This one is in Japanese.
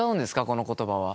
この言葉は。